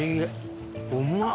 うまっ！